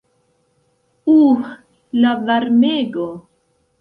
Uh, la varmego!